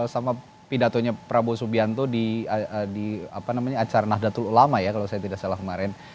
sama pidatonya prabowo subianto di acara nahdlatul ulama ya kalau saya tidak salah kemarin